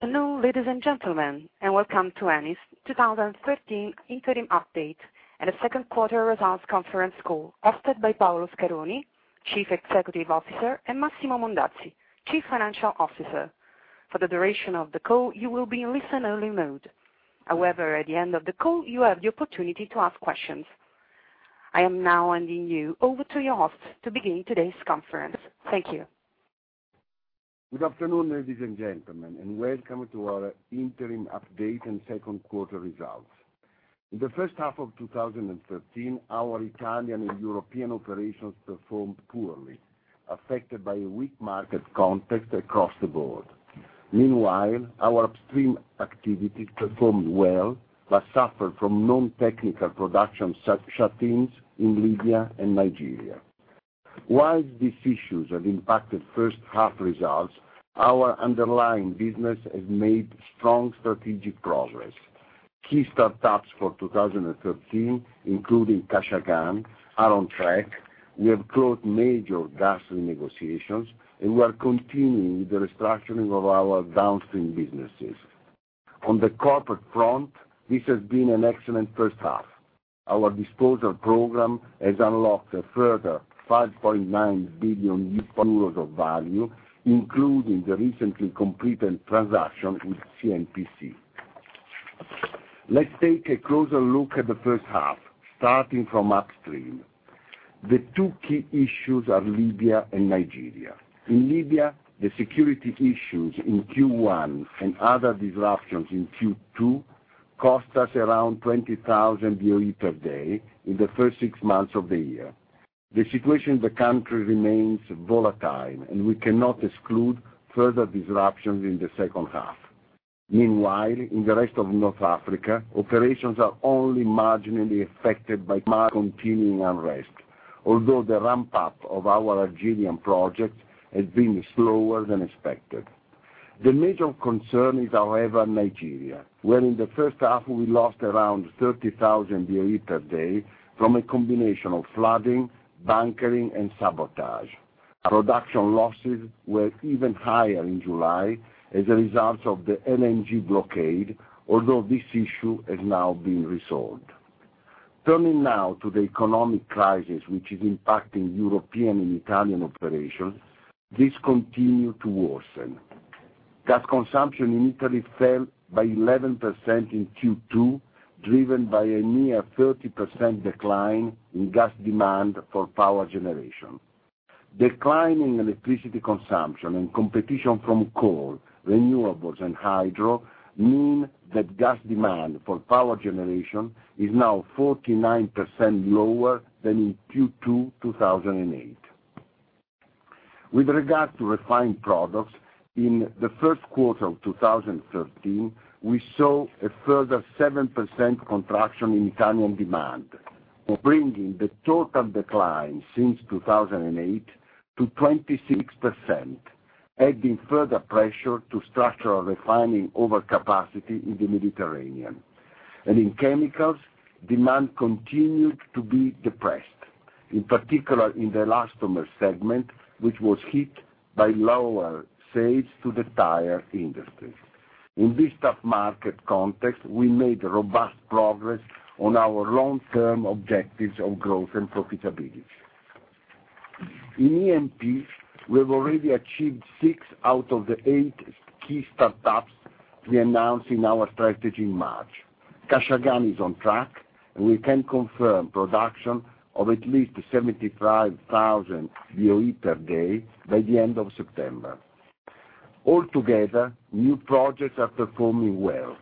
Good afternoon, ladies and gentlemen, and welcome to Eni's 2013 interim update and the second quarter results conference call hosted by Paolo Scaroni, Chief Executive Officer, and Massimo Mondazzi, Chief Financial Officer. For the duration of the call, you will be in listen-only mode. However, at the end of the call, you have the opportunity to ask questions. I am now handing you over to your host to begin today's conference. Thank you. Good afternoon, ladies and gentlemen, and welcome to our interim update and second quarter results. In the first half of 2013, our Italian and European operations performed poorly, affected by a weak market context across the board. Meanwhile, our upstream activities performed well but suffered from non-technical production shutdowns in Libya and Nigeria. While these issues have impacted first half results, our underlying business has made strong strategic progress. Key startups for 2013, including Kashagan, are on track. We have closed major gas renegotiations, and we are continuing with the restructuring of our downstream businesses. On the corporate front, this has been an excellent first half. Our disposal program has unlocked a further 5.9 billion euros of value, including the recently completed transaction with CNPC. Let's take a closer look at the first half, starting from upstream. The two key issues are Libya and Nigeria. In Libya, the security issues in Q1 and other disruptions in Q2 cost us around 20,000 Boe per day in the first six months of the year. The situation in the country remains volatile, and we cannot exclude further disruptions in the second half. Meanwhile, in the rest of North Africa, operations are only marginally affected by continuing unrest. The ramp-up of our Algerian projects has been slower than expected. The major concern is, however, Nigeria, where in the first half we lost around 30,000 Boe per day from a combination of flooding, bunkering and sabotage. Production losses were even higher in July as a result of the LNG blockade, this issue has now been resolved. Turning now to the economic crisis, which is impacting European and Italian operations, this continued to worsen. Gas consumption in Italy fell by 11% in Q2, driven by a near 30% decline in gas demand for power generation. Declining electricity consumption and competition from coal, renewables, and hydro mean that gas demand for power generation is now 49% lower than in Q2 2008. With regard to refined products, in the first quarter of 2013, we saw a further 7% contraction in Italian demand, bringing the total decline since 2008 to 26%, adding further pressure to structural refining overcapacity in the Mediterranean. In chemicals, demand continued to be depressed, in particular in the elastomer segment, which was hit by lower sales to the tire industry. In this tough market context, we made robust progress on our long-term objectives of growth and profitability. In E&P, we have already achieved six out of the eight key startups we announced in our strategy in March. Kashagan is on track, and we can confirm production of at least 75,000 Boe per day by the end of September. Altogether, new projects are performing well.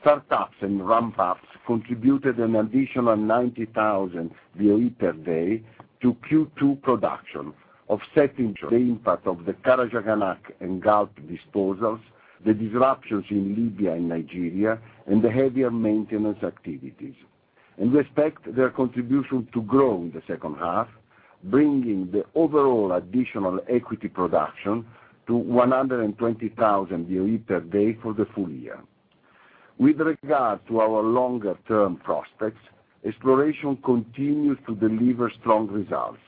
Startups and ramp-ups contributed an additional 90,000 Boe per day to Q2 production, offsetting the impact of the Karachaganak and Galp disposals, the disruptions in Libya and Nigeria, and the heavier maintenance activities. We expect their contribution to grow in the second half, bringing the overall additional equity production to 120,000 Boe per day for the full year. With regard to our longer-term prospects, exploration continues to deliver strong results.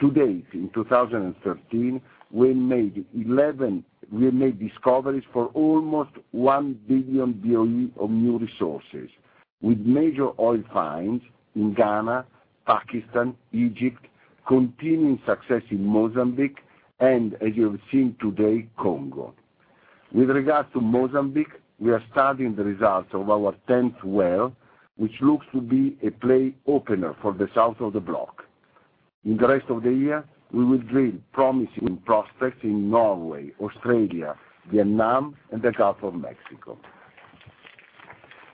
To date, in 2013, we have made discoveries for almost one billion Boe of new resources, with major oil finds in Ghana, Pakistan, Egypt, continuing success in Mozambique, and, as you have seen today, Congo. With regard to Mozambique, we are studying the results of our tenth well, which looks to be a play opener for the south of the block. In the rest of the year, we will drill promising prospects in Norway, Australia, Vietnam, and the Gulf of Mexico.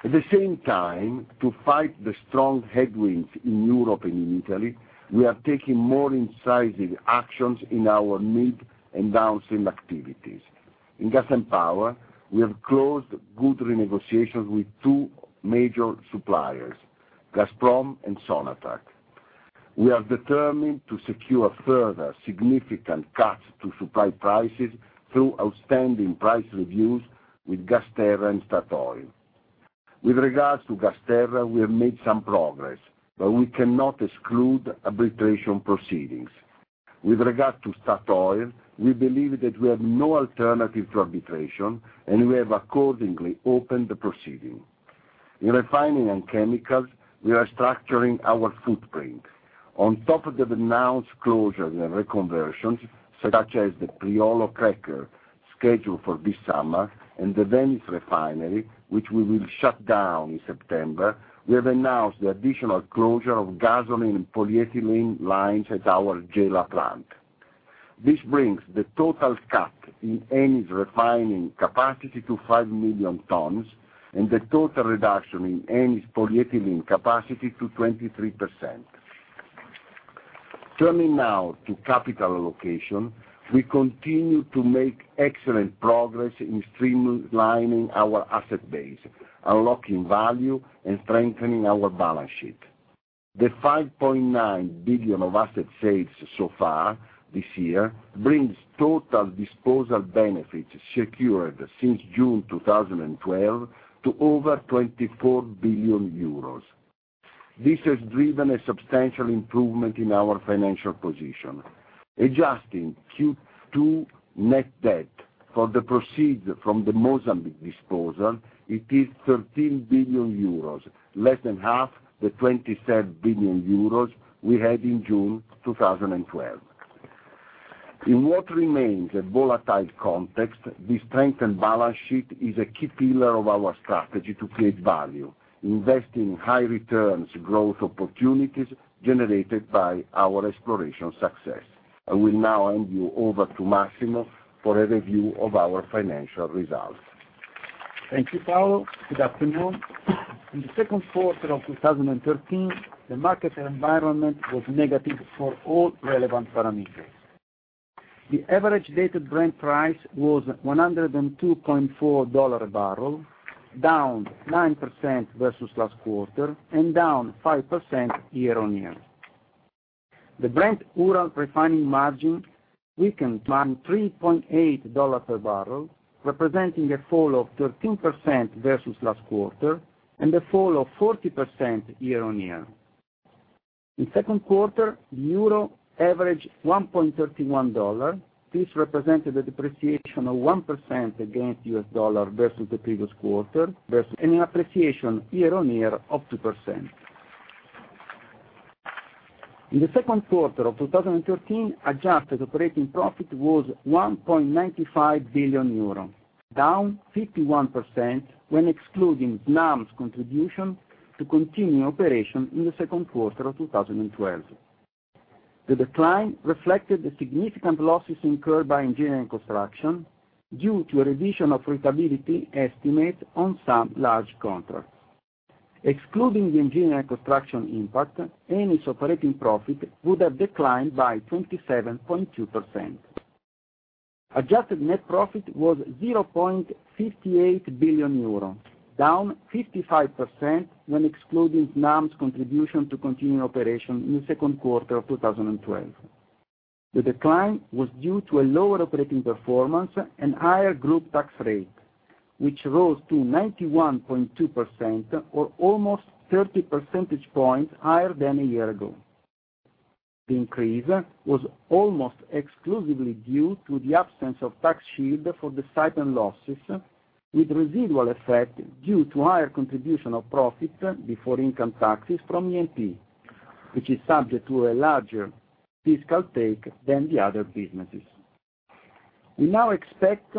At the same time, to fight the strong headwinds in Europe and in Italy, we are taking more incisive actions in our mid- and downstream activities. In gas and power, we have closed good renegotiations with two major suppliers, Gazprom and Sonatrach. We are determined to secure further significant cuts to supply prices through outstanding price reviews with GasTerra and Statoil. With regards to GasTerra, we have made some progress, we cannot exclude arbitration proceedings. With regard to Statoil, we believe that we have no alternative to arbitration, we have accordingly opened the proceeding. In refining and chemicals, we are structuring our footprint. On top of the announced closure and reconversions, such as the Priolo cracker scheduled for this summer, and the Venice refinery, which we will shut down in September, we have announced the additional closure of gasoline and polyethylene lines at our Gela plant. This brings the total cut in Eni's refining capacity to five million tons and the total reduction in Eni's polyethylene capacity to 23%. Turning now to capital allocation. We continue to make excellent progress in streamlining our asset base, unlocking value, and strengthening our balance sheet. The 5.9 billion of asset sales so far this year brings total disposal benefits secured since June 2012 to over 24 billion euros. This has driven a substantial improvement in our financial position. Adjusting Q2 net debt for the proceed from the Mozambique disposal, it is 13 billion euros, less than half the 27 billion euros we had in June 2012. In what remains a volatile context, the strengthened balance sheet is a key pillar of our strategy to create value, invest in high returns, growth opportunities generated by our exploration success. I will now hand you over to Massimo for a review of our financial results. Thank you, Paolo. Good afternoon. In the second quarter of 2013, the market environment was negative for all relevant parameters. The average dated Brent price was $102.4 a barrel, down 9% versus last quarter and down 5% year-on-year. The Brent-Ural refining margin weakened $3.8 per barrel, representing a fall of 13% versus last quarter and a fall of 40% year-on-year. In second quarter, the EUR averaged $1.31. This represented a depreciation of 1% against U.S. dollar versus the previous quarter versus an appreciation year-on-year of 2%. In the second quarter of 2013, adjusted operating profit was 1.95 billion euro, down 51% when excluding NAM's contribution to continuing operation in the second quarter of 2012. The decline reflected the significant losses incurred by engineering construction due to a revision of profitability estimates on some large contracts. Excluding the engineering construction impact, Eni's operating profit would have declined by 27.2%. Adjusted net profit was 0.58 billion euro, down 55% when excluding NAM's contribution to continuing operation in the second quarter of 2012. The decline was due to a lower operating performance and higher group tax rate, which rose to 91.2% or almost 30 percentage points higher than a year ago. The increase was almost exclusively due to the absence of tax shield for the Saipem losses, with residual effect due to higher contribution of profit before income taxes from E&P, which is subject to a larger fiscal take than the other businesses. We now expect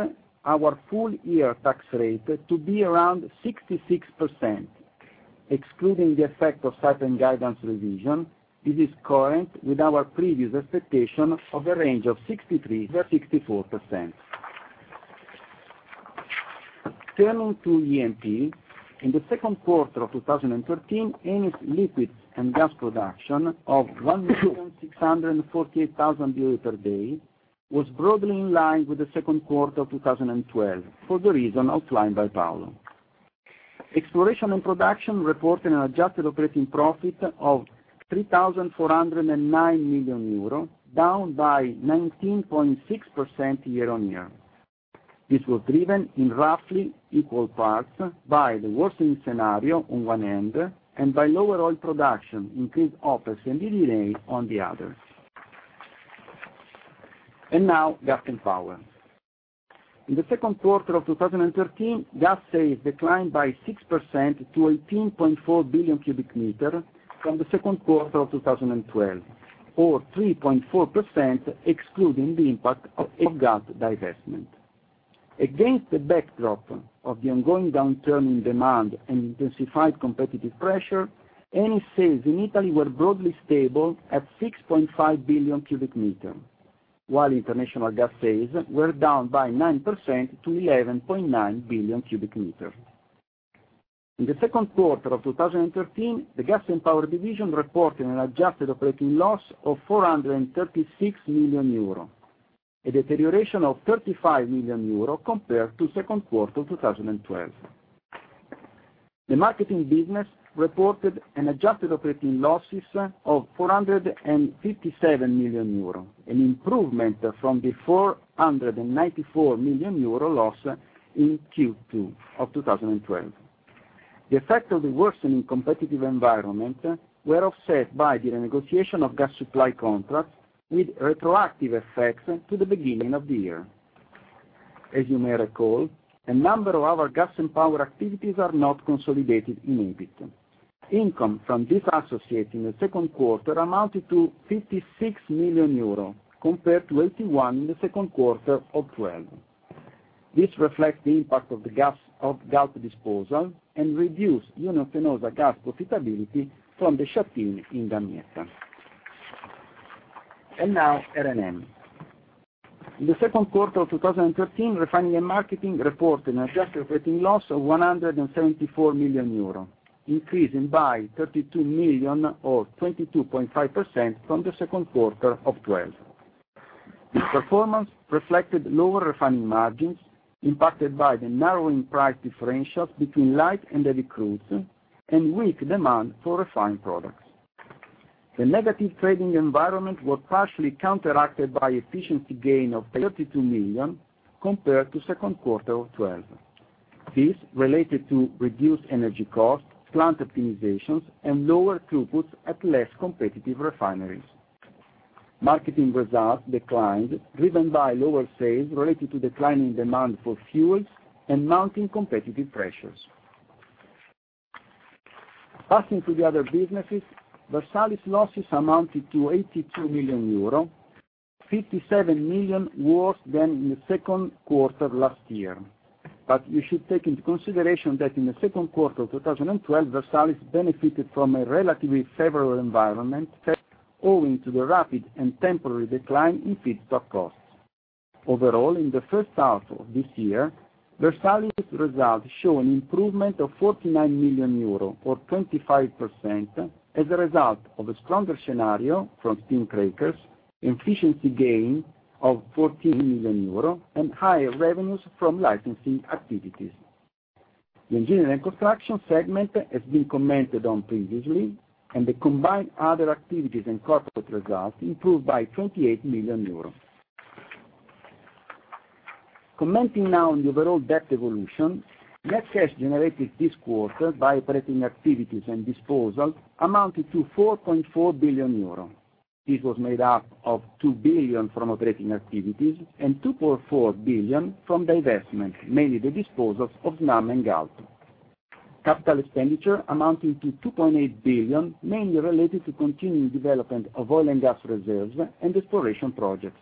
our full-year tax rate to be around 66%, excluding the effect of Saipem guidance revision. It is current with our previous expectation of a range of 63%-64%. Turning to E&P, in the second quarter of 2013, Eni's liquids and gas production of 1,648,000 Boe per day was broadly in line with the second quarter of 2012 for the reason outlined by Paolo. Exploration and production reported an adjusted operating profit of 3,409 million euro, down by 19.6% year-on-year. This was driven in roughly equal parts by the worsening scenario on one end, and by lower oil production, increased opex and D&D on the other. Now, gas and power. In the second quarter of 2013, gas sales declined by 6% to 18.4 billion cubic meter from the second quarter of 2012, or 3.4% excluding the impact of gas divestment. Against the backdrop of the ongoing downturn in demand and intensified competitive pressure, Eni's sales in Italy were broadly stable at 6.5 billion cubic meter. While international gas sales were down by 9% to 11.9 billion cubic meter. In the second quarter of 2013, the gas and power division reported an adjusted operating loss of 436 million euro, a deterioration of 35 million euro compared to second quarter 2012. The marketing business reported an adjusted operating losses of 457 million euro, an improvement from the 494 million euro loss in Q2 of 2012. The effect of the worsening competitive environment were offset by the renegotiation of gas supply contracts with retroactive effects to the beginning of the year. As you may recall, a number of our gas and power activities are not consolidated in EBITDA. Income from this associate in the second quarter amounted to 56 million euro, compared to 81 million in the second quarter of 2012. This reflects the impact of the Galp disposal and reduced Unión Fenosa Gas's profitability from the shutdown in Damietta. Now R&M. In the second quarter of 2013, Refining and Marketing reported an adjusted operating loss of 174 million euro, increasing by 32 million or 22.5% from the second quarter of 2012. This performance reflected lower refining margins impacted by the narrowing price differential between light and heavy crudes, and weak demand for refined products. The negative trading environment was partially counteracted by efficiency gain of 32 million compared to second quarter of 2012. This related to reduced energy costs, plant optimizations, and lower throughputs at less competitive refineries. Marketing results declined, driven by lower sales related to declining demand for fuels and mounting competitive pressures. Passing to the other businesses, Versalis losses amounted to 82 million euro, 57 million worse than in the second quarter last year. You should take into consideration that in the second quarter of 2012, Versalis benefited from a relatively favorable environment, thanks owing to the rapid and temporary decline in feedstock costs. Overall, in the first half of this year, Versalis results show an improvement of 49 million euro or 25% as a result of a stronger scenario from steam crackers, efficiency gain of 14 million euro, and higher revenues from licensing activities. The engineering and construction segment has been commented on previously, and the combined other activities and corporate results improved by 28 million euros. Commenting now on the overall debt evolution, net cash generated this quarter by operating activities and disposal amounted to 4.4 billion euro. This was made up of 2 billion from operating activities and 2.4 billion from divestment, mainly the disposals of Snam and Galp. Capital expenditure amounting to 2.8 billion, mainly related to continuing development of oil and gas reserves and exploration projects.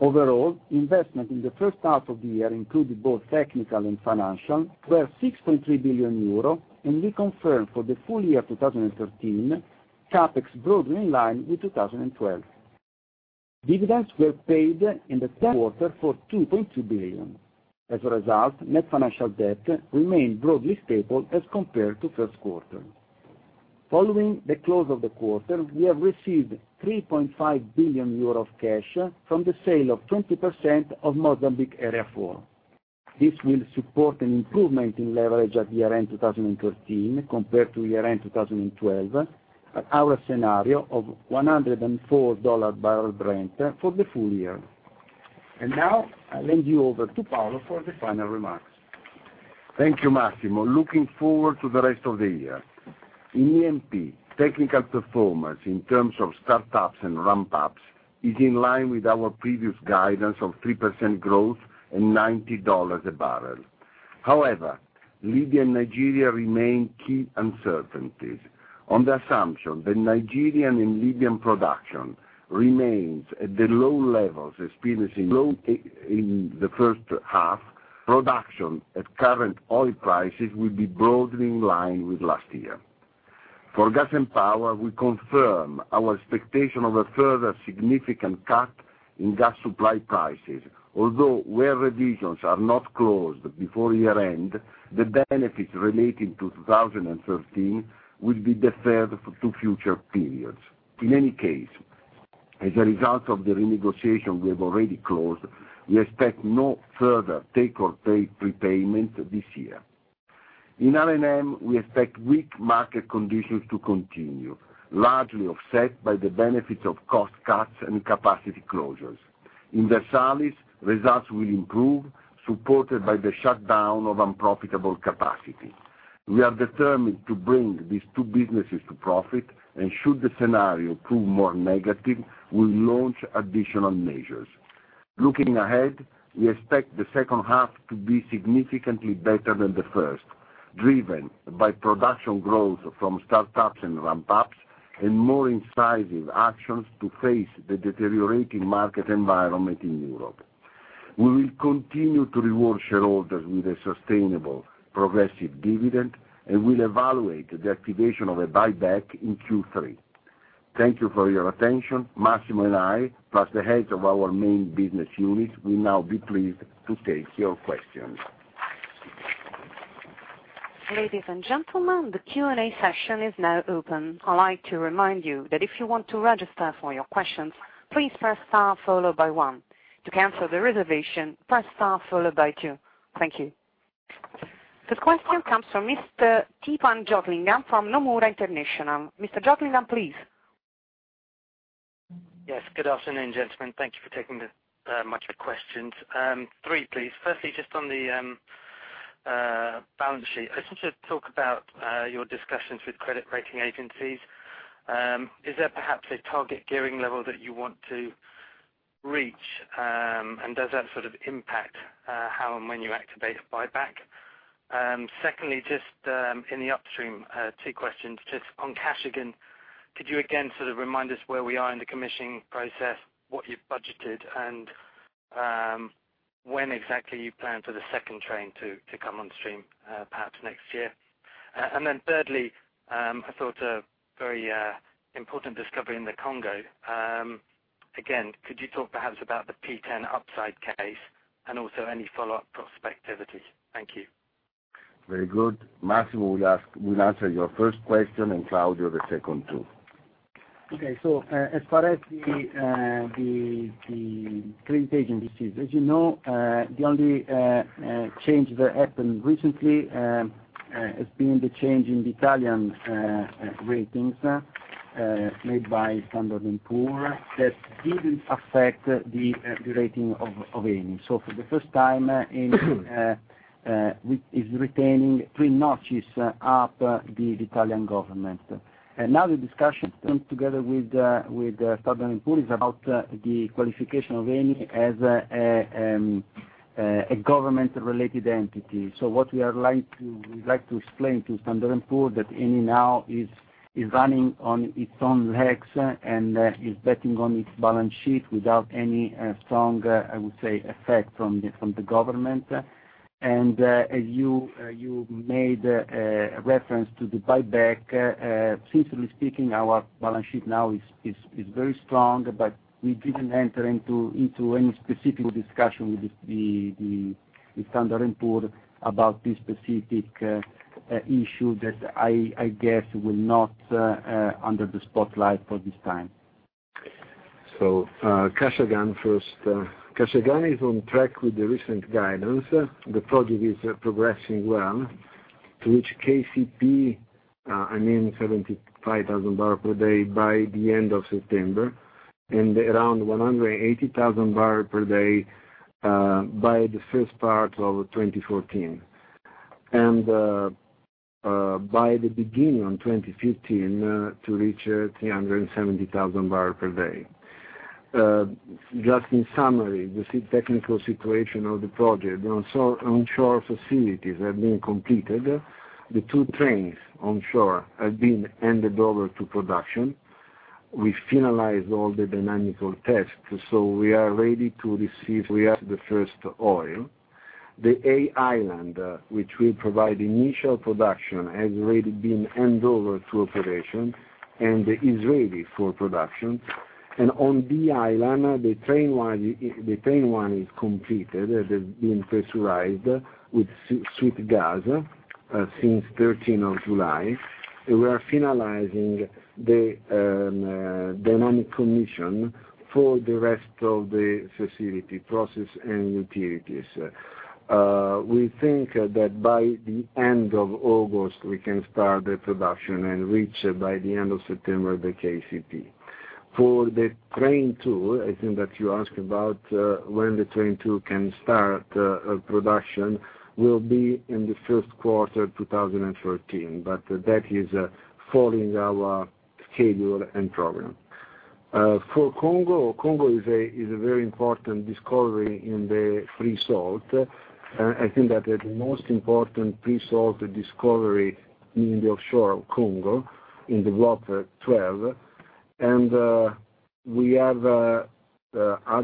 Overall, investment in the first half of the year, including both technical and financial, were 6.3 billion euro, and we confirm for the full year 2013 CapEx broadly in line with 2012. Dividends were paid in the second quarter for 2.2 billion. As a result, net financial debt remained broadly stable as compared to first quarter. Following the close of the quarter, we have received 3.5 billion euro of cash from the sale of 20% of Mozambique Area Four. This will support an improvement in leverage at year-end 2013 compared to year-end 2012 at our scenario of $104 barrel Brent for the full year. Now I lend you over to Paolo for the final remarks. Thank you, Massimo. Looking forward to the rest of the year. In E&P, technical performance in terms of startups and ramp-ups is in line with our previous guidance of 3% growth and $90 a barrel. However, Libya and Nigeria remain key uncertainties. On the assumption that Nigerian and Libyan production remains at the low levels experienced in the first half, production at current oil prices will be broadly in line with last year. For Gas and Power, we confirm our expectation of a further significant cut in gas supply prices, although where revisions are not closed before year-end, the benefits relating to 2013 will be deferred to future periods. In any case, as a result of the renegotiation we have already closed, we expect no further take-or-pay prepayment this year. In R&M, we expect weak market conditions to continue, largely offset by the benefits of cost cuts and capacity closures. In Versalis, results will improve, supported by the shutdown of unprofitable capacity. We are determined to bring these two businesses to profit, and should the scenario prove more negative, we'll launch additional measures. Looking ahead, we expect the second half to be significantly better than the first, driven by production growth from startups and ramp-ups and more incisive actions to face the deteriorating market environment in Europe. We will continue to reward shareholders with a sustainable progressive dividend and will evaluate the activation of a buyback in Q3. Thank you for your attention. Massimo and I, plus the heads of our main business units, will now be pleased to take your questions. Ladies and gentlemen, the Q&A session is now open. I'd like to remind you that if you want to register for your questions, please press star followed by one. To cancel the reservation, press star followed by two. Thank you. The question comes from Mr. Theepan Jothilingam from Nomura International. Mr. Jothilingam, please. Yes. Good afternoon, gentlemen. Thank you for taking my few questions. Three, please. Firstly, just on the balance sheet, I just want to talk about your discussions with credit rating agencies. Is there perhaps a target gearing level that you want to reach? Does that sort of impact how and when you activate a buyback? Secondly, just in the upstream, two questions just on Kashagan. Could you again sort of remind us where we are in the commissioning process, what you've budgeted, and when exactly you plan for the second train to come on stream, perhaps next year? Thirdly, I thought a very important discovery in the Congo. Again, could you talk perhaps about the P10 upside case and also any follow-up prospectivity? Thank you. Very good. Massimo will answer your first question, and Claudio, the second two. As far as the credit agencies, as you know, the only change that happened recently has been the change in the Italian ratings made by Standard & Poor's that didn't affect the rating of Eni. For the first time Eni is retaining three notches up the Italian government. The discussion comes together with Standard & Poor's about the qualification of Eni as a government-related entity. What we like to explain to Standard & Poor's that Eni now is running on its own legs and is betting on its balance sheet without any strong, I would say, effect from the government. As you made a reference to the buyback, sincerely speaking, our balance sheet now is very strong, but we didn't enter into any specific discussion with Standard & Poor's about this specific issue that I guess will not be under the spotlight for this time. Kashagan first. Kashagan is on track with the recent guidance. The project is progressing well to reach KCP, I mean 75,000 barrel per day by the end of September, and around 180,000 barrel per day by the first part of 2014. By the beginning of 2015 to reach 370,000 barrel per day. Just in summary, the technical situation of the project. Onshore facilities have been completed. The two trains onshore have been handed over to production. We finalized all the dynamical tests, we are ready to receive the first oil. The A island, which will provide initial production, has already been handed over to operation and is ready for production. On B island, the train one is completed, has been pressurized with sweet gas since thirteenth of July. We are finalizing the dynamic commission for the rest of the facility process and utilities. We think that by the end of August, we can start the production and reach by the end of September, the KCP. For the train two, I think that you asked about when the train two can start production, will be in the first quarter 2014, but that is following our schedule and program. For Congo is a very important discovery in the pre-salt. I think that the most important pre-salt discovery in the offshore of Congo in the Block 12. We have at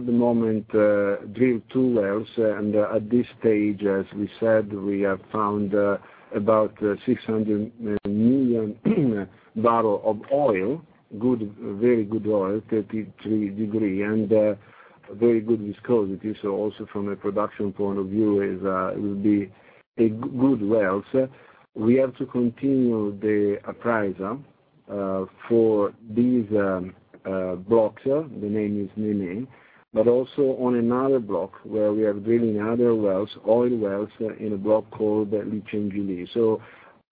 the moment drilled two wells, and at this stage, as we said, we have found about 600 million barrels of oil. Very good oil, 33 degree and very good viscosity. Also from a production point of view, it will be a good well. We have to continue the appraisal for these blocks. The name is Mbinga. Also on another block where we are drilling other wells, oil wells in a block called Litchendjili.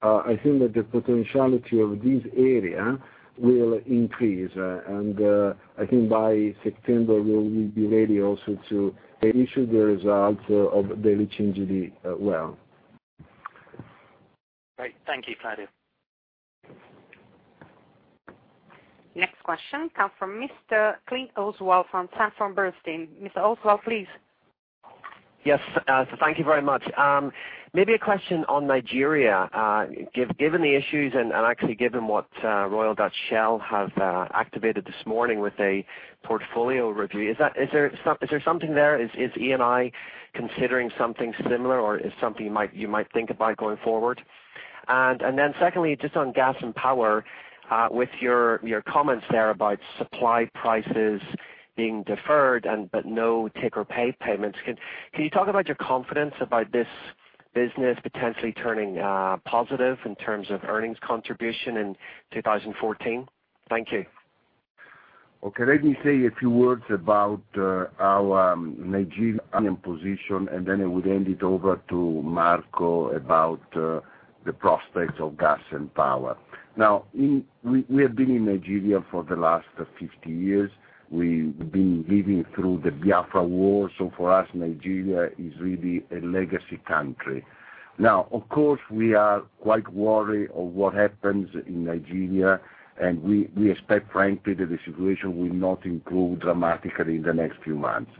I think that the potentiality of this area will increase, and I think by September, we will be ready also to issue the results of the Litchendjili well. Great. Thank you, Claudio. Next question comes from Mr. Clint Oswald from Sanford C. Bernstein. Mr. Oswald, please. Yes. Thank you very much. Maybe a question on Nigeria. Given the issues and actually given what Royal Dutch Shell have activated this morning with a portfolio review, is there something there? Is Eni considering something similar, or is something you might think about going forward? Secondly, just on gas and power, with your comments there about supply prices being deferred but no take-or-pay payments, can you talk about your confidence about this business potentially turning positive in terms of earnings contribution in 2014? Thank you. Let me say a few words about our Nigerian position, then I would hand it over to Marco about the prospects of gas and power. We have been in Nigeria for the last 50 years. We've been living through the Biafra War. For us, Nigeria is really a legacy country. Of course, we are quite worried of what happens in Nigeria, and we expect, frankly, that the situation will not improve dramatically in the next few months.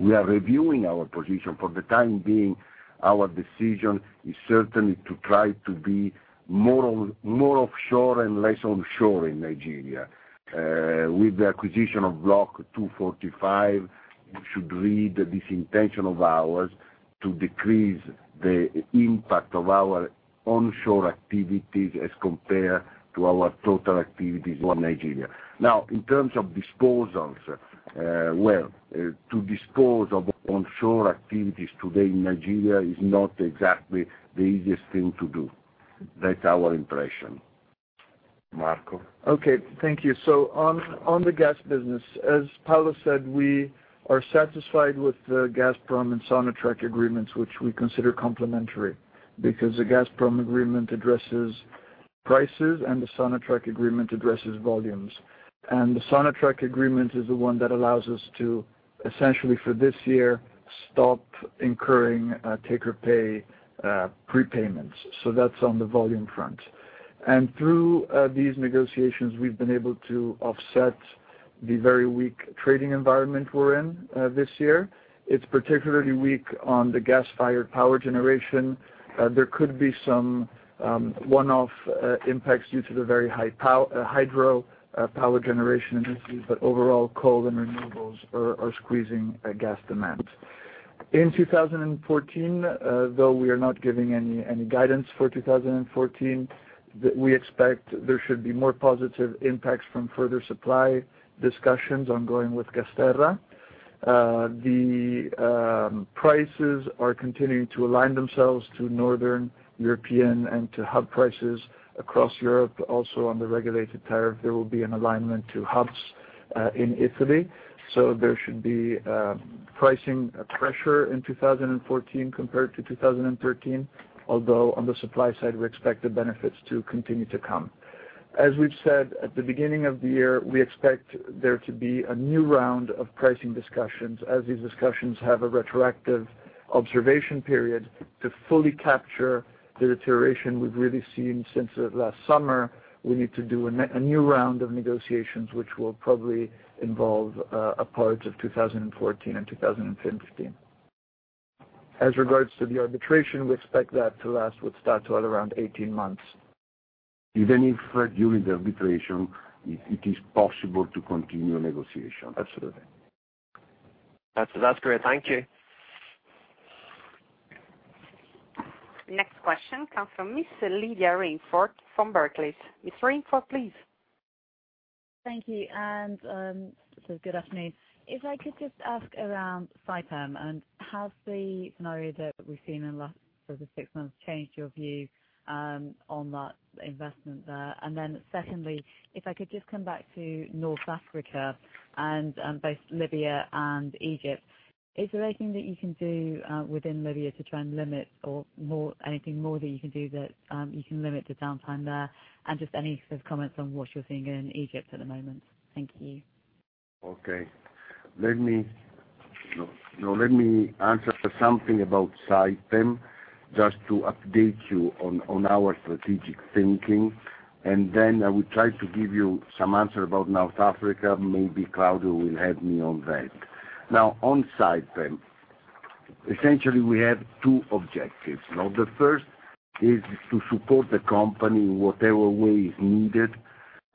We are reviewing our position. For the time being, our decision is certainly to try to be more offshore and less onshore in Nigeria. With the acquisition of Block 245, you should read this intention of ours to decrease the impact of our onshore activities as compared to our total activities on Nigeria. In terms of disposals, well, to dispose of onshore activities today in Nigeria is not exactly the easiest thing to do. That's our impression. Marco? Okay. Thank you. On the gas business, as Paolo said, we are satisfied with the Gazprom and Sonatrach agreements, which we consider complementary, because the Gazprom agreement addresses prices and the Sonatrach agreement addresses volumes. The Sonatrach agreement is the one that allows us to, essentially for this year, stop incurring take-or-pay prepayments. That's on the volume front. Through these negotiations, we've been able to offset the very weak trading environment we're in this year. It's particularly weak on the gas-fired power generation. There could be some one-off impacts due to the very high hydro power generation this year, but overall, coal and renewables are squeezing gas demand. In 2014, though we are not giving any guidance for 2014, we expect there should be more positive impacts from further supply discussions ongoing with GasTerra. The prices are continuing to align themselves to Northern European and to hub prices across Europe. Also on the regulated tariff, there will be an alignment to hubs in Italy. There should be pricing pressure in 2014 compared to 2013, although on the supply side, we expect the benefits to continue to come. As we've said at the beginning of the year, we expect there to be a new round of pricing discussions as these discussions have a retroactive observation period to fully capture the deterioration we've really seen since last summer. We need to do a new round of negotiations, which will probably involve a part of 2014 and 2015. As regards to the arbitration, we expect that to last, with Statoil, around 18 months. Even if during the arbitration, it is possible to continue negotiation. Absolutely. That's great. Thank you. Next question comes from Ms. Lydia Rainforth from Barclays. Ms. Rainforth, please. Thank you. Good afternoon. If I could just ask around Saipem and has the scenario that we've seen in the last six months changed your view on that investment there? Then secondly, if I could just come back to North Africa and both Libya and Egypt. Is there anything that you can do within Libya to try and limit or anything more that you can do that you can limit the downtime there? Just any comments on what you're seeing in Egypt at the moment. Thank you. Okay. Let me answer something about Saipem, just to update you on our strategic thinking. Then I will try to give you some answer about North Africa. Maybe Claudio will help me on that. On Saipem, essentially, we have two objectives. The first is to support the company in whatever way is needed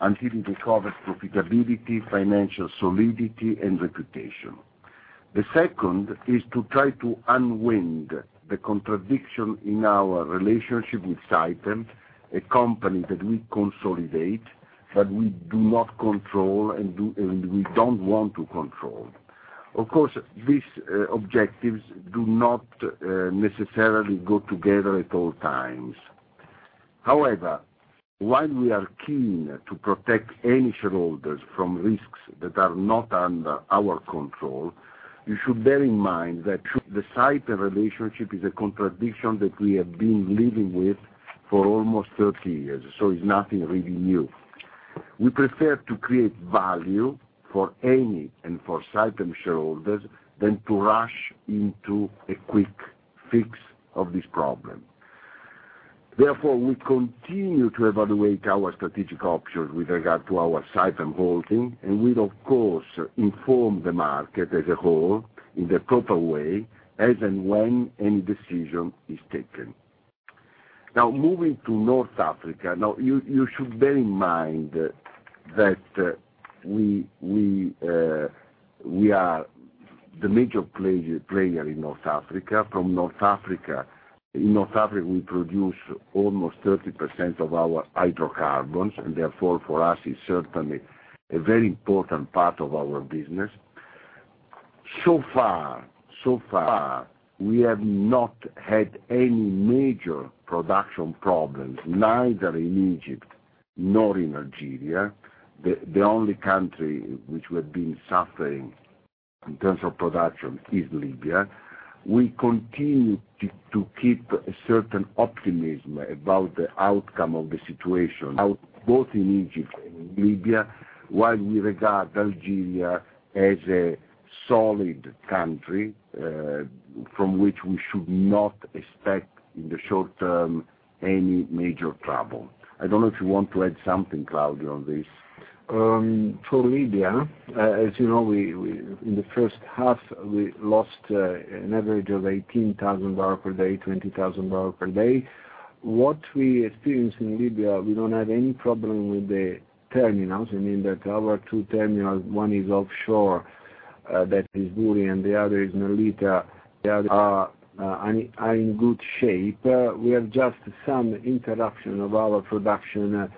until it recovers profitability, financial solidity, and reputation. The second is to try to unwind the contradiction in our relationship with Saipem, a company that we consolidate, but we do not control and we don't want to control. Of course, these objectives do not necessarily go together at all times. However, while we are keen to protect Eni shareholders from risks that are not under our control, you should bear in mind that the Saipem relationship is a contradiction that we have been living with for almost 30 years. It's nothing really new. We prefer to create value for Eni and for Saipem shareholders than to rush into a quick fix of this problem. Therefore, we continue to evaluate our strategic options with regard to our Saipem holding, and we'll, of course, inform the market as a whole in the proper way as and when any decision is taken. Moving to North Africa. You should bear in mind that we are the major player in North Africa. In North Africa, we produce almost 30% of our hydrocarbons, and therefore, for us, it's certainly a very important part of our business. So far, we have not had any major production problems, neither in Egypt nor in Algeria. The only country which we have been suffering in terms of production in Libya, we continue to keep a certain optimism about the outcome of the situation, both in Egypt and in Libya, while we regard Algeria as a solid country from which we should not expect, in the short term, any major trouble. I don't know if you want to add something, Claudio, on this. For Libya, as you know, in the first half, we lost an average of 18,000 barrel per day, 20,000 barrel per day. What we experience in Libya, we don't have any problem with the terminals. I mean that our two terminals, one is offshore, that is Bouri, and the other is Mellitah. They are in good shape. We have just some interruption of our production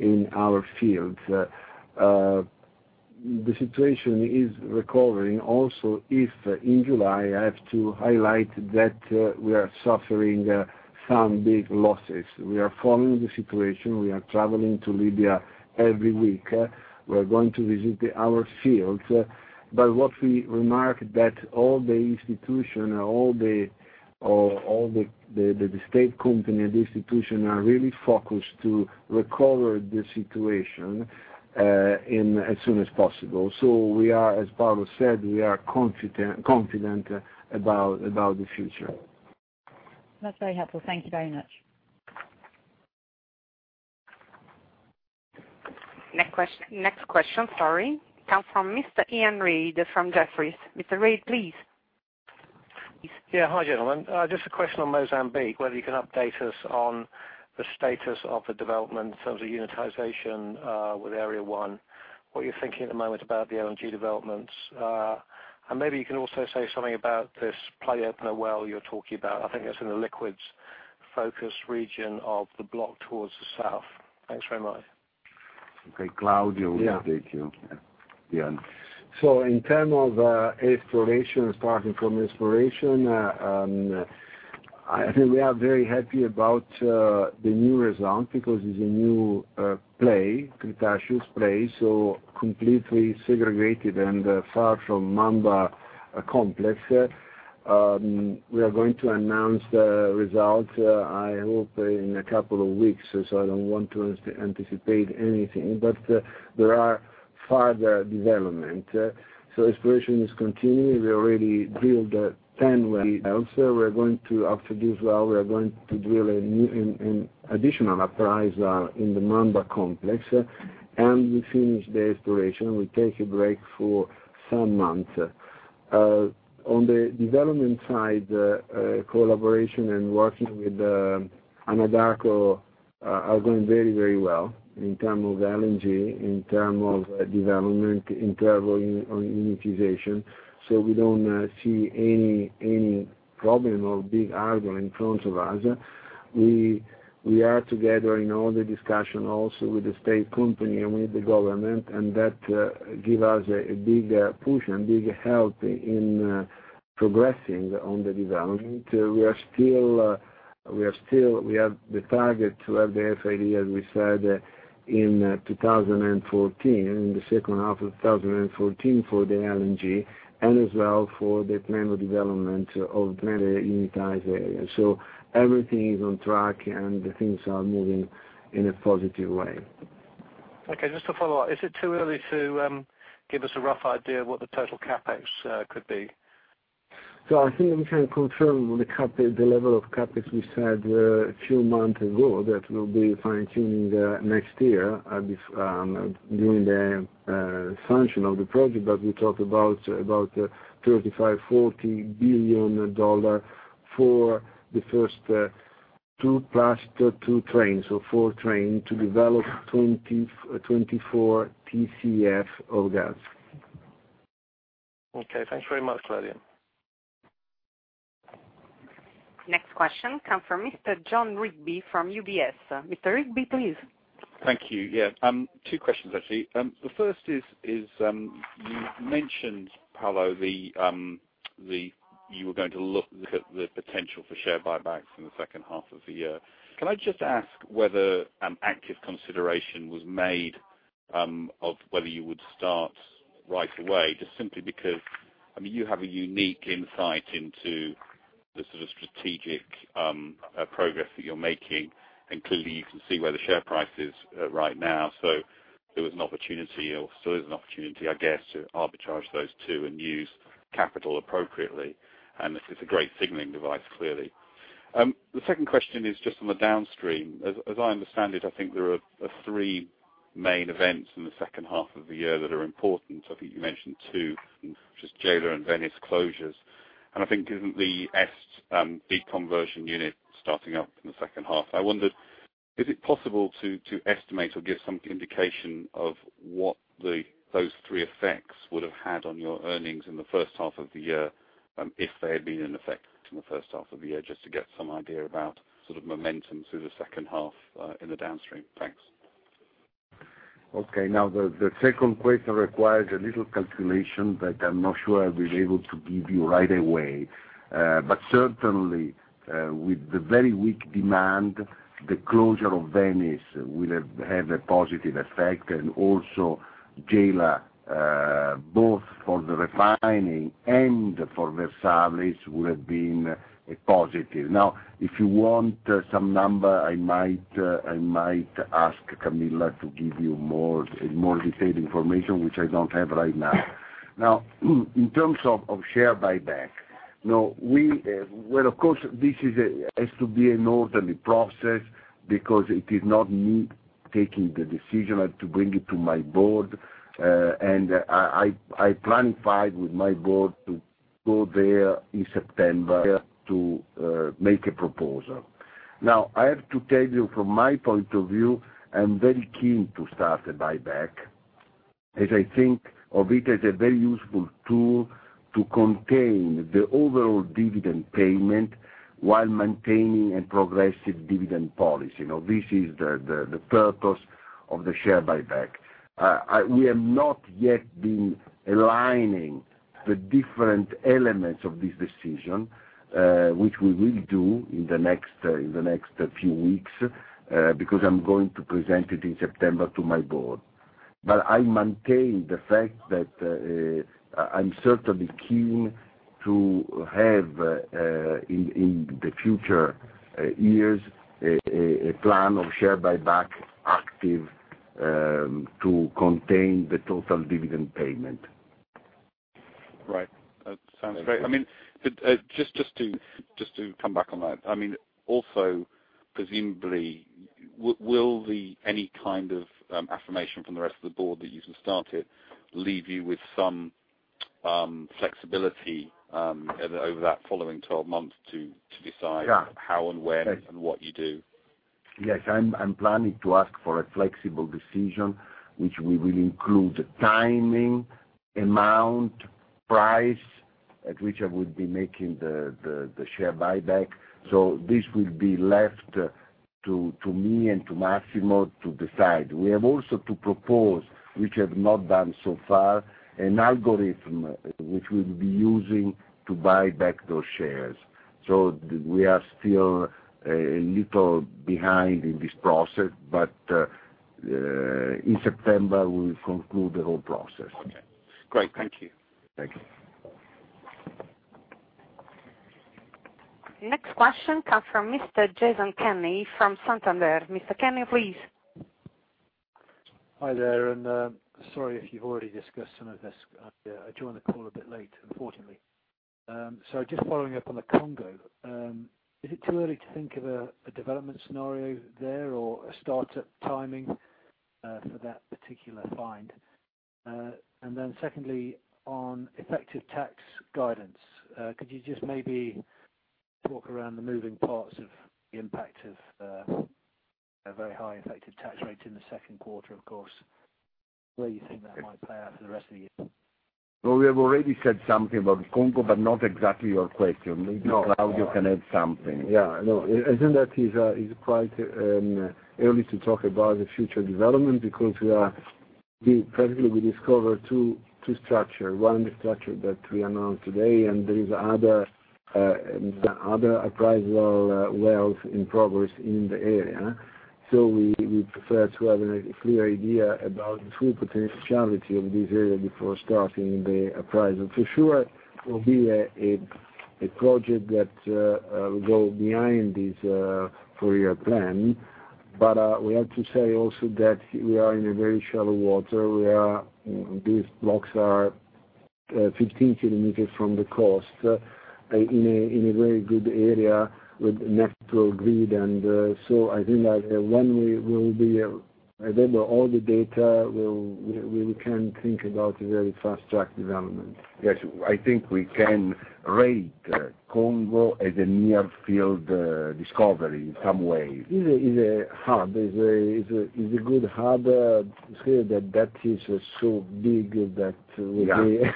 in our fields. The situation is recovering also, if in July, I have to highlight that we are suffering some big losses. We are following the situation. We are traveling to Libya every week. We are going to visit our fields. What we remark that all the institution, all the state company, the institution, are really focused to recover the situation as soon as possible. We are, as Paolo said, we are confident about the future. That's very helpful. Thank you very much. Next question comes from Mr. Iain Reid from Jefferies. Mr. Reid, please. Yeah. Hi, gentlemen. Just a question on Mozambique, whether you can update us on the status of the development in terms of unitization with Area 1, what you're thinking at the moment about the LNG developments. Maybe you can also say something about this play opener well you were talking about. I think that's in the liquids-focused region of the block towards the south. Thanks very much. Okay. Claudio will update you, Iain. In terms of exploration, starting from exploration, I think we are very happy about the new result because it's a new play, Cretaceous play, so completely segregated and far from Mamba complex. We are going to announce the result, I hope, in a couple of weeks. I don't want to anticipate anything, but there are further development. Exploration is continuing. We already drilled 10 wells. After this well, we are going to drill an additional appraiser in the Mamba complex, and we finish the exploration. We take a break for some months. On the development side, collaboration and working with Anadarko are going very well in terms of LNG, in terms of development, in terms of unitization. We don't see any problem or big hurdle in front of us. We are together in all the discussion also with the state company and with the government, that give us a big push and big help in progressing on the development. We have the target to have the FID, as we said, in 2014, in the second half of 2014 for the LNG and as well for the planned development of many unitized areas. Everything is on track, and the things are moving in a positive way. Okay. Just to follow up, is it too early to give us a rough idea of what the total CapEx could be? I think we can confirm the level of CapEx we said a few months ago that we'll be fine-tuning next year during the sanction of the project. We talked about EUR 35 billion-EUR 40 billion for the first two plus two trains, so four trains to develop 24 TCF of gas. Okay. Thanks very much, Claudio. Next question come from Mr. Jon Rigby from UBS. Mr. Rigby, please. Thank you. Two questions, actually. The first is, you mentioned, Paolo, you were going to look at the potential for share buybacks in the second half of the year. Can I just ask whether an active consideration was made of whether you would start right away? Just simply because, you have a unique insight into the sort of strategic progress that you're making, and clearly you can see where the share price is right now. There was an opportunity, or still is an opportunity, I guess, to arbitrage those two and use capital appropriately, and it's a great signaling device, clearly. The second question is just on the downstream. As I understand it, I think there are three main events in the second half of the year that are important. I think you mentioned two, which is Gela and Venice closures. I think isn't the EST conversion unit starting up in the second half? I wondered, is it possible to estimate or give some indication of what those three effects would have had on your earnings in the first half of the year if they had been in effect in the first half of the year, just to get some idea about sort of momentum through the second half in the downstream? Thanks. Okay. The second question requires a little calculation that I'm not sure I'll be able to give you right away. Certainly, with the very weak demand, the closure of Venice will have had a positive effect, and also Gela, both for the refining and for Versalis, would have been a positive. If you want some number, I might ask Camilla to give you more detailed information, which I don't have right now. In terms of share buyback. Of course, this has to be an orderly process because it is not me taking the decision. I have to bring it to my board, I planned with my board to go there in September to make a proposal. I have to tell you, from my point of view, I'm very keen to start a buyback, as I think of it as a very useful tool to contain the overall dividend payment while maintaining a progressive dividend policy. This is the purpose of the share buyback. We have not yet been aligning the different elements of this decision, which we will do in the next few weeks, because I'm going to present it in September to my board. I maintain the fact that I'm certainly keen to have, in the future years, a plan of share buyback active to contain the total dividend payment. Right. That sounds great. Just to come back on that. Presumably, will any kind of affirmation from the rest of the board that you can start it leave you with some flexibility over that following 12 months to decide how, when, and what you do? Yes, I'm planning to ask for a flexible decision, which will include timing, amount, price at which I would be making the share buyback. This will be left to me and to Massimo to decide. We have also to propose, which we have not done so far, an algorithm which we'll be using to buy back those shares. We are still a little behind in this process, in September, we will conclude the whole process. Okay, great. Thank you. Thank you. Next question comes from Mr. Jason Kenney from Santander. Mr. Kenney, please. Hi there, sorry if you've already discussed some of this. I joined the call a bit late, unfortunately. Just following up on the Congo. Is it too early to think of a development scenario there or a startup timing for that particular find? Then secondly, on effective tax guidance, could you just maybe talk around the moving parts of the impact of a very high effective tax rate in the second quarter, of course, where you think that might play out for the rest of the year? Well, we have already said something about Congo, but not exactly your question. Maybe Claudio can add something. Yeah. I think that is quite early to talk about the future development, because practically, we discovered two structures. One, the structure that we announced today, and there is other appraisal wells in progress in the area. We prefer to have a clear idea about the full potentiality of this area before starting the appraisal. For sure, it will be a project that will go behind this four-year plan. We have to say also that we are in a very shallow water, where these blocks are 15 km from the coast in a very good area with natural grid. I think that when we will have all the data, we can think about a very fast-track development. Yes. I think we can rate Congo as a near field discovery in some way. It's a hub. It's a good hub that is so big that we have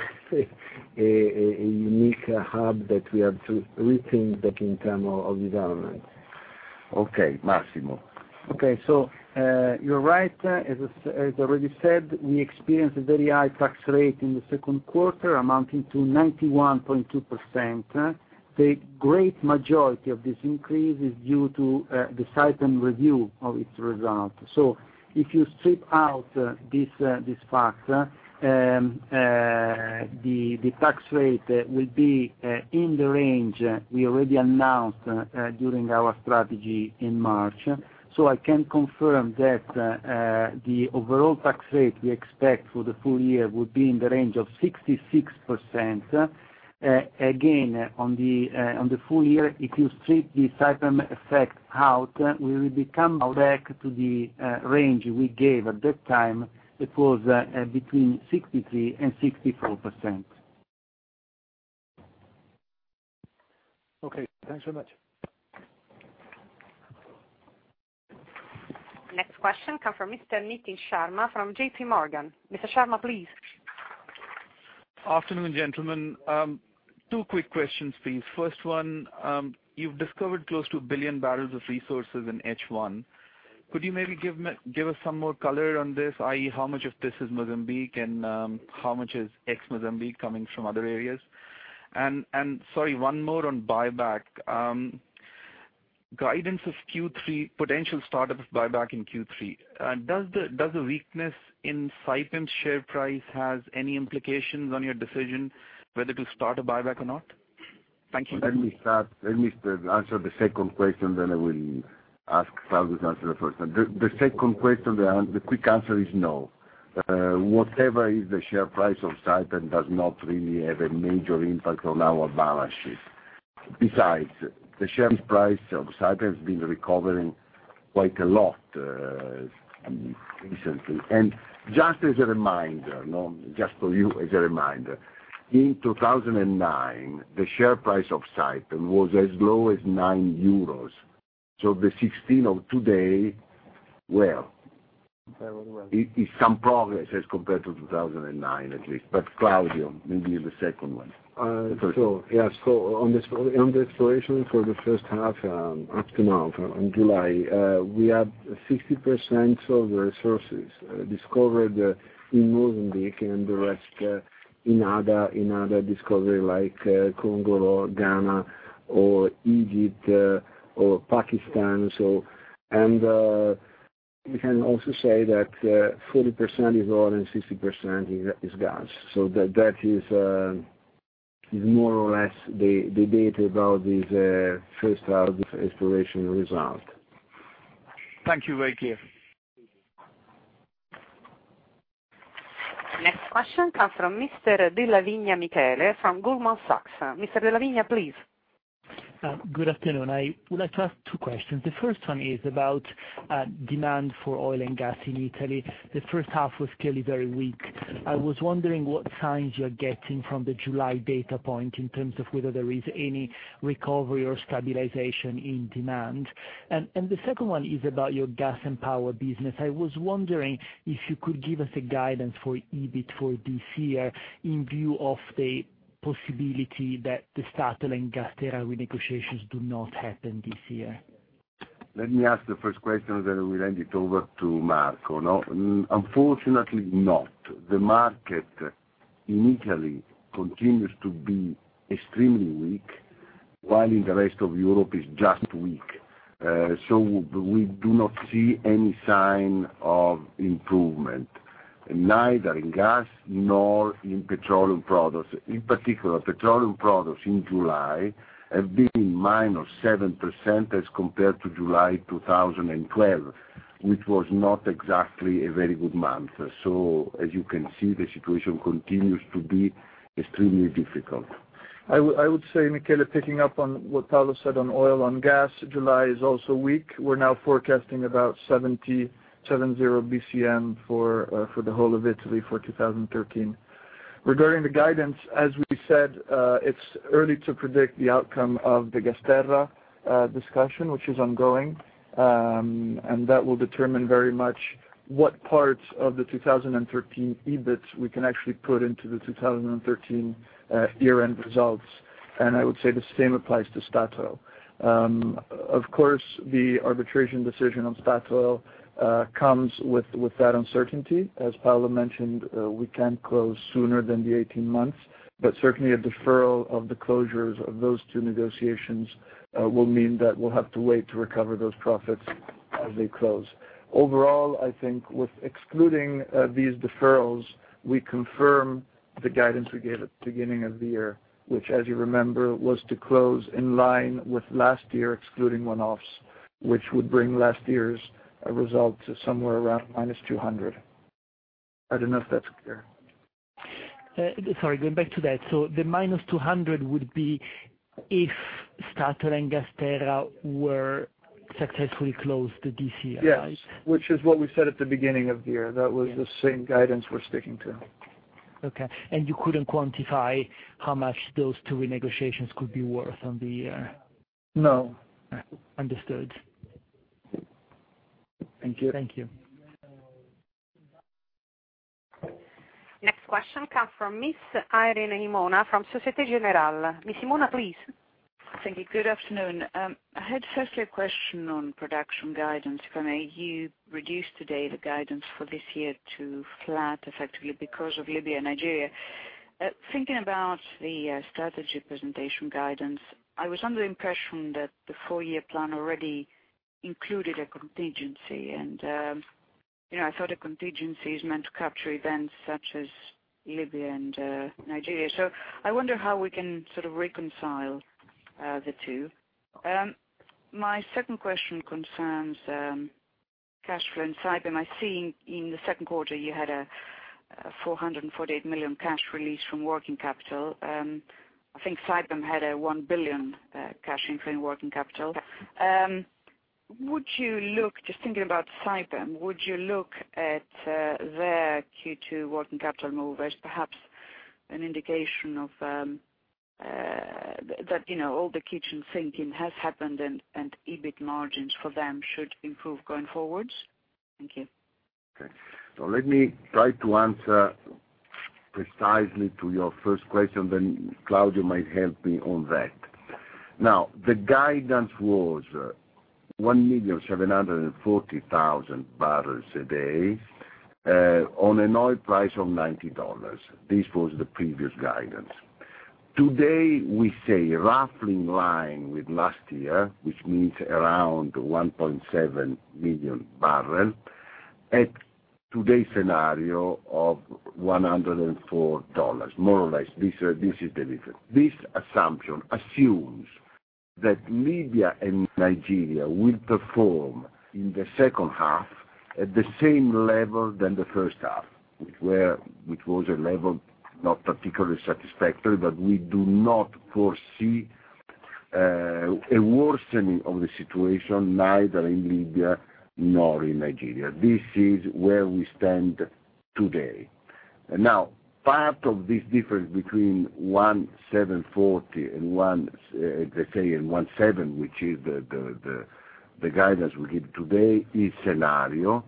a unique hub that we have to rethink in terms of development. Okay, Massimo. Okay. You're right. As already said, we experienced a very high tax rate in the second quarter, amounting to 91.2%. The great majority of this increase is due to the Saipem review of its results. If you strip out this fact, the tax rate will be in the range we already announced during our strategy in March. I can confirm that the overall tax rate we expect for the full year would be in the range of 66%. Again, on the full year, if you strip the Saipem effect out, we will come back to the range we gave at that time. It was between 63% and 64%. Okay, thanks so much. Next question comes from Mr. Nitin Sharma from JP Morgan. Mr. Sharma, please. Afternoon, gentlemen. Two quick questions, please. First one, you've discovered close to a billion barrels of resources in H1. Could you maybe give us some more color on this? I.e., how much of this is Mozambique and how much is ex-Mozambique coming from other areas? Sorry, one more on buyback. Guidance of Q3, potential startup of buyback in Q3. Does the weakness in Saipem's share price have any implications on your decision whether to start a buyback or not? Thank you. Let me start. Let me answer the second question, then I will ask Claudio to answer the first one. The second question, the quick answer is no. Whatever is the share price of Saipem does not really have a major impact on our balance sheet. Besides, the share price of Saipem has been recovering quite a lot recently. Just as a reminder, just for you as a reminder, in 2009, the share price of Saipem was as low as 9 euros. The 16 of today, well, is some progress as compared to 2009, at least. Claudio, maybe the second one. On the exploration for the first half up to now, in July, we have 60% of the resources discovered in Mozambique and the rest in other discovery like Congo or Ghana or Egypt or Pakistan. We can also say that 40% is oil and 60% is gas. That is more or less the data about this first half exploration result. Thank you. Very clear. Next question comes from Mr. Michele Della Vigna from Goldman Sachs. Mr. Della Vigna, please. Good afternoon. I would like to ask two questions. The first one is about demand for oil and gas in Italy. The first half was clearly very weak. I was wondering what signs you are getting from the July data point in terms of whether there is any recovery or stabilization in demand. The second one is about your gas and power business. I was wondering if you could give us a guidance for EBIT for this year in view of the possibility that the Statoil and GasTerra renegotiations do not happen this year. Let me answer the first question, I will hand it over to Marco. No, unfortunately not. The market in Italy continues to be extremely weak, while in the rest of Europe, it is just weak. We do not see any sign of improvement, neither in gas nor in petroleum products. In particular, petroleum products in July have been minus 7% as compared to July 2012, which was not exactly a very good month. As you can see, the situation continues to be extremely difficult. I would say, Michele, picking up on what Paolo said on oil, on gas, July is also weak. We are now forecasting about 70 BCM for the whole of Italy for 2013. Regarding the guidance, as we said, it is early to predict the outcome of the GasTerra discussion, which is ongoing, that will determine very much what parts of the 2013 EBIT we can actually put into the 2013 year-end results. I would say the same applies to Statoil. Of course, the arbitration decision on Statoil comes with that uncertainty. As Paolo mentioned, we cannot close sooner than the 18 months, certainly a deferral of the closures of those two negotiations will mean that we will have to wait to recover those profits as they close. Overall, I think with excluding these deferrals, we confirm the guidance we gave at the beginning of the year, which, as you remember, was to close in line with last year, excluding one-offs, which would bring last year's result to somewhere around minus 200. I don't know if that's clear. Sorry, going back to that. The minus 200 would be if Statoil and GasTerra were successfully closed this year, right? Yes, which is what we said at the beginning of the year. That was the same guidance we're sticking to. Okay, you couldn't quantify how much those two renegotiations could be worth on the No. Understood. Thank you. Thank you. Next question comes from Ms. Irene Himona from Société Générale. Ms. Himona, please. Thank you. Good afternoon. I had firstly a question on production guidance, if I may. You reduced today the guidance for this year to flat effectively because of Libya and Nigeria. Thinking about the strategy presentation guidance, I was under the impression that the four-year plan already included a contingency, and I thought a contingency is meant to capture events such as Libya and Nigeria. I wonder how we can sort of reconcile the two. My second question concerns cash flow in Saipem. I see in the second quarter you had a 448 million cash release from working capital. I think Saipem had a 1 billion cash inflow in working capital. Just thinking about Saipem, would you look at their Q2 working capital move as perhaps an indication of That all the kitchen sinking has happened, and EBIT margins for them should improve going forwards? Thank you. Let me try to answer precisely to your first question, then Claudio might help me on that. The guidance was 1,740,000 barrels a day on an oil price of $90. This was the previous guidance. Today, we say roughly in line with last year, which means around 1.7 million barrels, at today's scenario of $104, more or less. This is the difference. This assumption assumes that Libya and Nigeria will perform in the second half at the same level than the first half, which was a level not particularly satisfactory. We do not foresee a worsening of the situation, neither in Libya nor in Nigeria. This is where we stand today. Part of this difference between 1,740 and, let's say 1.7, which is the guidance we give today, is scenario.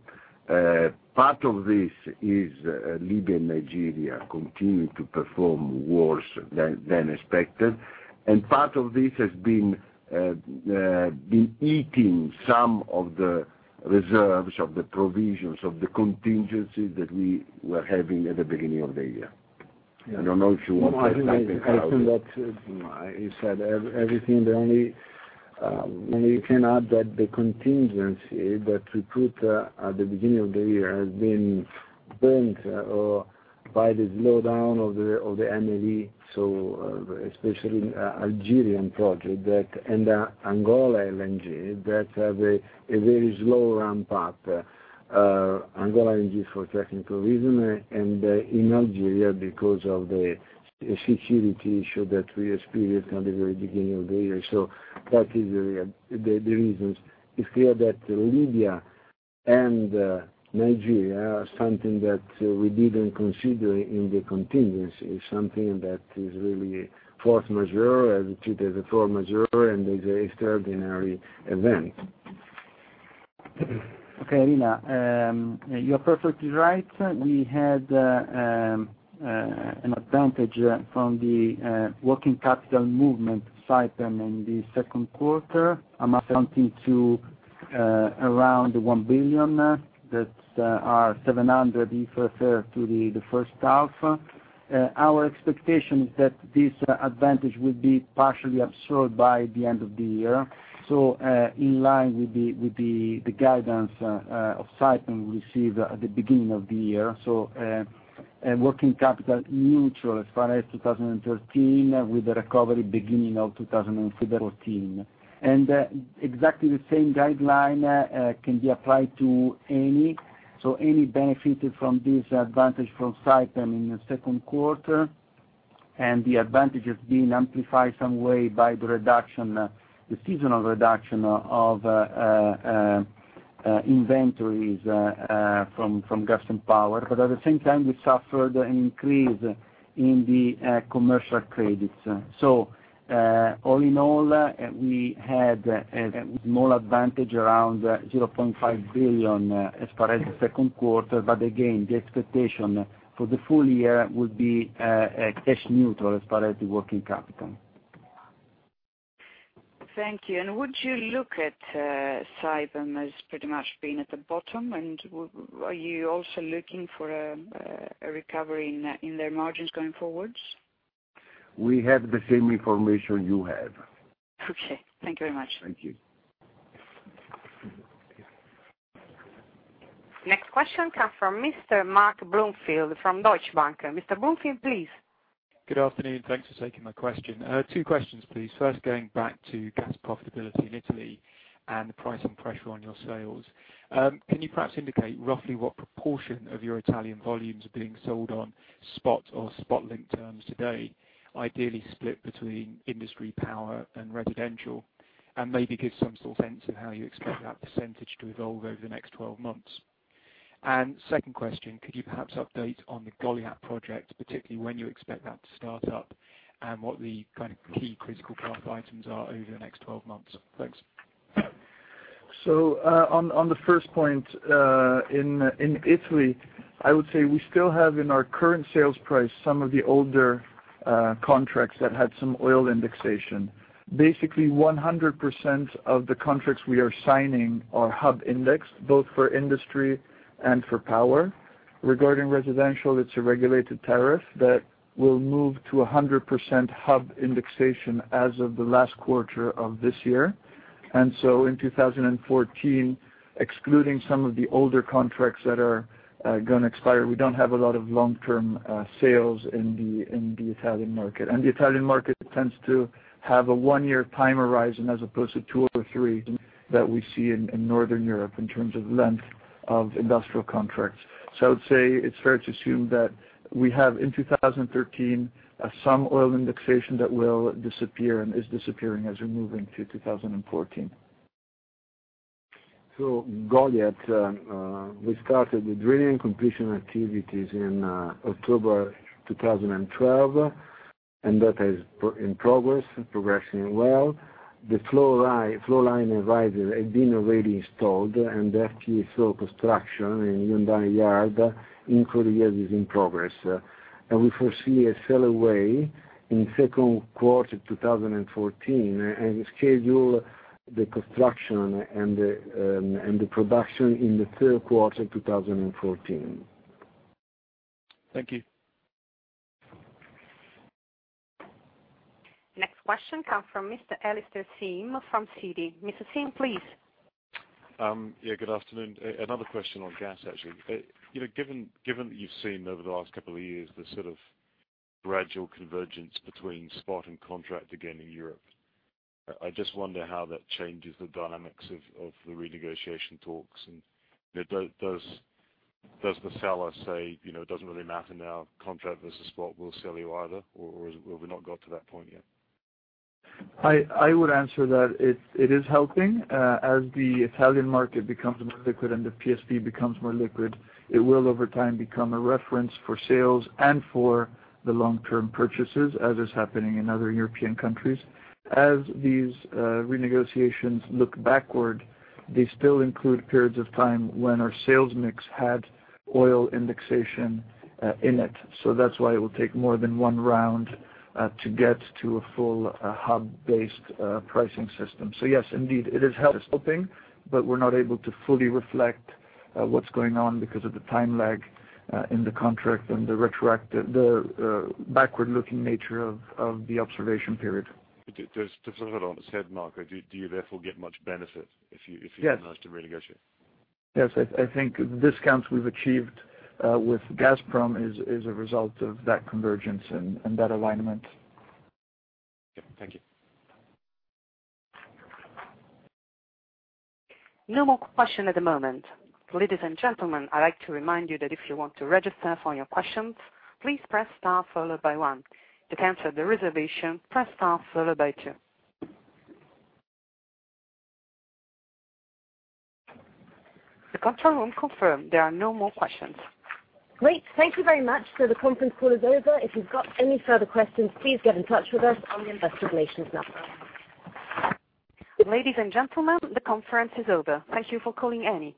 Part of this is Libya and Nigeria continue to perform worse than expected. Part of this has been eating some of the reserves of the provisions of the contingencies that we were having at the beginning of the year. I don't know if you want to add something, Claudio. I think that you said everything. Only can add that the contingency that we put at the beginning of the year has been burned by the slowdown of the MED. Especially Algerian project and Angola LNG, that have a very slow ramp up. Angola LNG for technical reason, and in Algeria because of the security issue that we experienced at the very beginning of the year. That is the reasons. It's clear that Libya and Nigeria are something that we didn't consider in the contingency, something that is really force majeure, and treated as a force majeure, and as extraordinary event. Okay, Irene, you are perfectly right. We had an advantage from the working capital movement Saipem in the second quarter, amounting to around 1 billion, that are 700 million if referred to the first half. Our expectation is that this advantage will be partially absorbed by the end of the year. In line with the guidance of Saipem we received at the beginning of the year. Working capital neutral as far as 2013, with a recovery beginning of 2014. Exactly the same guideline can be applied to Eni. Eni benefited from this advantage from Saipem in the second quarter, and the advantage has been amplified some way by the seasonal reduction of inventories from gas and power. At the same time, we suffered an increase in the commercial credits. All in all, we had a small advantage around 0.5 billion as far as the second quarter. Again, the expectation for the full year will be cash neutral as far as the working capital. Thank you. Would you look at Saipem as pretty much being at the bottom? Are you also looking for a recovery in their margins going forward? We have the same information you have. Okay. Thank you very much. Thank you. Next question comes from Mr. Mark Bloomfield from Deutsche Bank. Mr. Bloomfield, please. Good afternoon. Thanks for taking my question. Two questions, please. First, going back to gas profitability in Italy and the pricing pressure on your sales. Can you perhaps indicate roughly what proportion of your Italian volumes are being sold on spot or spot-linked terms today, ideally split between industry power and residential, and maybe give some sort of sense of how you expect that percentage to evolve over the next 12 months? Second question, could you perhaps update on the Goliat project, particularly when you expect that to start up, and what the key critical path items are over the next 12 months? Thanks. On the first point, in Italy, I would say we still have in our current sales price some of the older contracts that had some oil indexation. Basically, 100% of the contracts we are signing are hub indexed, both for industry and for power. Regarding residential, it's a regulated tariff that will move to 100% hub indexation as of the last quarter of this year. In 2014, excluding some of the older contracts that are going to expire, we don't have a lot of long-term sales in the Italian market. The Italian market tends to have a one-year time horizon as opposed to two or three that we see in Northern Europe in terms of length of industrial contracts. I would say it's fair to assume that we have, in 2013, some oil indexation that will disappear and is disappearing as we're moving to 2014. Goliat, we started the drilling completion activities in October 2012, that is in progress and progressing well. The flowline and riser have been already installed. FPSO construction in Hyundai yard in Korea is in progress. We foresee a sail away in Q2 2014, schedule the construction and the production in the Q3 2014. Thank you. Next question comes from Mr. Alastair Syme from Citi. Mr. Syme, please. Yeah, good afternoon. Another question on gas, actually. Given that you've seen over the last couple of years the sort of gradual convergence between spot and contract again in Europe, I just wonder how that changes the dynamics of the renegotiation talks, does the seller say, "It doesn't really matter now, contract versus spot, we'll sell you either," have we not got to that point yet? I would answer that it is helping. As the Italian market becomes more liquid and the PSV becomes more liquid, it will over time become a reference for sales and for the long-term purchases, as is happening in other European countries. As these renegotiations look backward, they still include periods of time when our sales mix had oil indexation in it. That's why it will take more than one round to get to a full hub-based pricing system. Yes, indeed, it is helping, but we're not able to fully reflect what's going on because of the time lag in the contract and the backward-looking nature of the observation period. Just to follow on from what you said, Marco, do you therefore get much benefit if you- Yes manage to renegotiate? Yes, I think the discounts we've achieved with Gazprom is a result of that convergence and that alignment. Okay, thank you. No more questions at the moment. Ladies and gentlemen, I'd like to remind you that if you want to register for your questions, please press star followed by one. To cancel the reservation, press star followed by two. The control room confirms there are no more questions. Great. Thank you very much. The conference call is over. If you've got any further questions, please get in touch with us on the investor relations number. Ladies and gentlemen, the conference is over. Thank you for calling Eni.